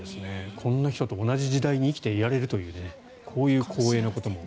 こんな人と同じ時代に生きていられるというねこういう光栄なことも。